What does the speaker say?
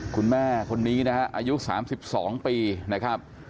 คุณแม่คนนี้นะฮะอายุ๓๒ปีนะครับ